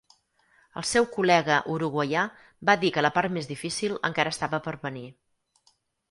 El seu col·lega uruguaià va dir que la part més difícil encara estava per venir.